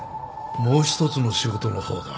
もう一つの仕事の方だ。